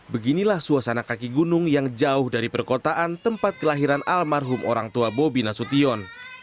beginilah suasana kaki gunung yang jauh dari perkotaan tempat kelahiran almarhum orang tua bobi nasution